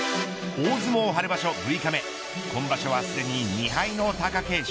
大相撲春場所６日目今場所はすでに２敗の貴景勝。